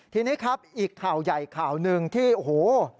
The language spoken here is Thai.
ทีนี้ครับอีกข่าวใหญ่ข่าวหนึ่งที่โอ้โห